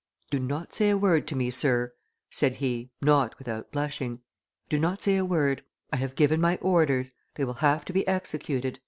"Do not say a word to me, sir," said he, not without blushing, do not say a word; I have given my orders, they will have to be executed."